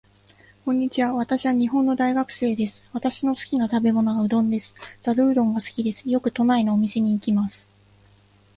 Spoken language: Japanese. こんにちは。私は日本の大学生です。私の好きな食べ物はうどんです。ざるうどんが好きです。よく都内のお店に行きます。